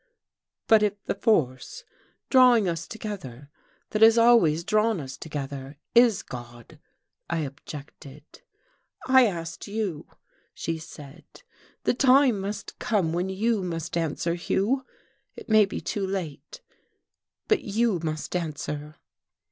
"But if the force drawing us together, that has always drawn us together, is God?" I objected. "I asked you," she said. "The time must come when you must answer, Hugh. It may be too late, but you must answer."